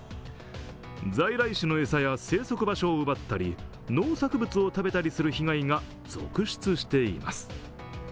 在来種の餌や生息場所を奪ったり農作物を食べたりする被害が続出しています。